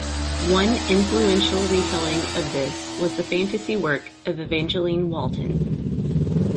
One influential retelling of this was the fantasy work of Evangeline Walton.